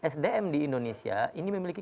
sdm di indonesia ini memiliki